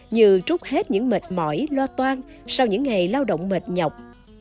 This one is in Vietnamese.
nhừ trút hết những mệt mỏi lo toan sau những ngày lao động mệt nhọc